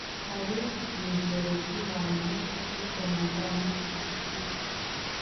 Hari mugenzi wange twiganaga mu ishuri